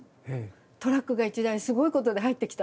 トラックが１台すごいことで入ってきた！」。